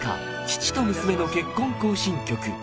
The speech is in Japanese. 父と娘の結婚行進曲」